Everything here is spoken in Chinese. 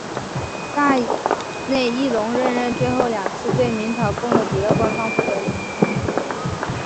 大内义隆任内最后两次对明朝贡的主要官方负责人。